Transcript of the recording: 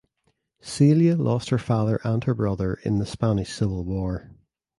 Celia lost her father and her brother in the Spanish Civil War.